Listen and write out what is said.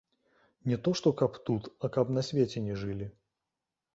Не то што каб тут, а каб на свеце не жылі.